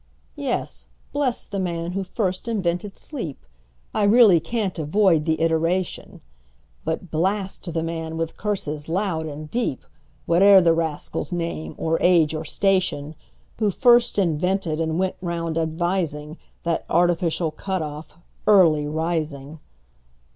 Yes; bless the man who first invented sleep(I really can't avoid the iteration),But blast the man, with curses loud and deep, Whate'er the rascal's name, or age, or station, Who first invented, and went round advising, That artificial cut off, Early Rising!